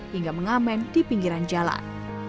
hingga mengamen di pinggiran jalan